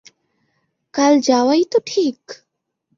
কাল যাওয়াই তো ঠিক?